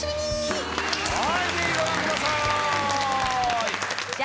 ぜひご覧ください！